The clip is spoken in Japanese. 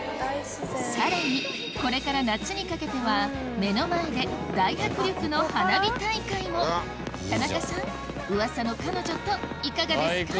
さらにこれから夏にかけては目の前で大迫力の花火大会も田中さんうわさの彼女といかがですか？